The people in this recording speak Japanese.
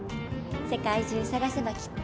世界中探せばきっと。